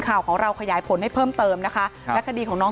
ข่าวของเราขยายผลให้เพิ่มเติมนะคะและคดีของน้อง